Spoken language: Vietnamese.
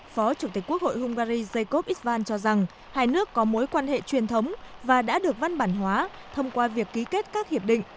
phó chủ tịch quốc hội hungary jakov isvan cho rằng hai nước có mối quan hệ truyền thống và đã được văn bản hóa thông qua việc ký kết các hiệp định